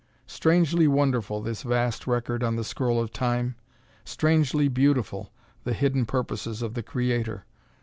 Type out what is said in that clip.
Strangely wonderful, this vast record on the scroll of Time! Strangely beautiful, the hidden purposes of the Creator!